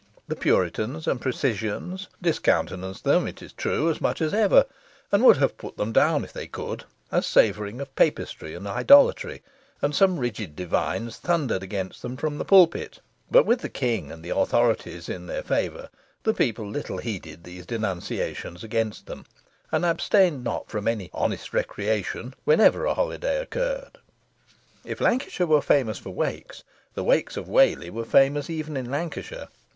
The Puritans and Precisians discountenanced them, it is true, as much as ever, and would have put them down, if they could, as savouring of papistry and idolatry, and some rigid divines thundered against them from the pulpit; but with the king and the authorities in their favour, the people little heeded these denunciations against them, and abstained not from any "honest recreation" whenever a holiday occurred. If Lancashire was famous for wakes, the wakes of Whalley were famous even in Lancashire.